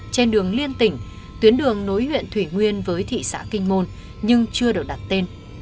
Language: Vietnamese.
trên đường liên tỉnh tuyến đường nối huyện thủy nguyên với thị xã kinh môn nhưng chưa được đặt tên